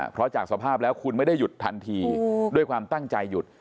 เพราะจากสภาพแล้วคุณไม่ได้หยุดทันทีด้วยความตั้งใจหยุด